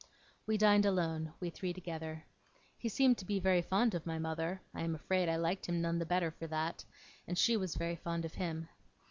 We dined alone, we three together. He seemed to be very fond of my mother I am afraid I liked him none the better for that and she was very fond of him.